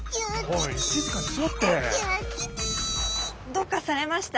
どうかされました？